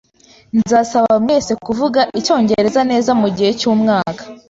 Nzabasaba mwese kuvuga icyongereza neza mugihe cyumwaka.